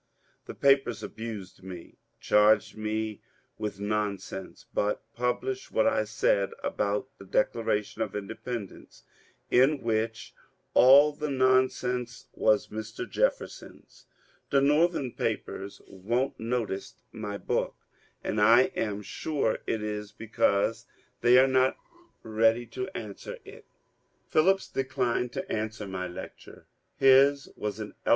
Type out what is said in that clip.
The papers abused me, charged me with nonsense, but pub lished what I said about the Declaration of Independence, in which all the nonsense was Mr. Jefferson's. The Northern papers won't notice my book, and I am sure it is because they are not ready to answer it. ... Phillips declined to answer my lecture. His was an elo^